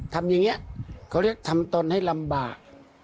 ทำอย่างนี้เขาเรียกทำตนให้ลำบาก